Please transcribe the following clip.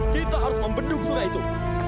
kita harus membendung sungai itu